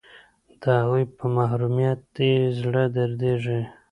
د هغوی په محرومیت دې زړه دردیږي